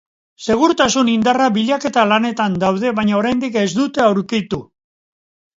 Segurtasun indarrak bilaketa lanetan daude, baina oraindik ez dute aurkitu.